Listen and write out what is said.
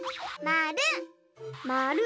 まる。